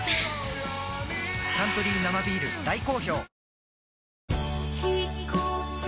「サントリー生ビール」大好評